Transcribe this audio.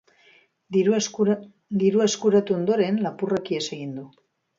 Dirua eskuratu ondoren, lapurrak ihes egin du.